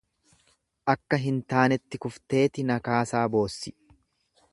Akka hin taanetti kufteeti nakaasaa boossi.